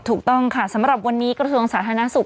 ถูกต้องค่ะสำหรับวันนี้กระทรวงสาธารณสุข